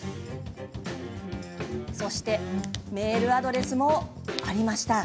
そしてメールアドレスもありました。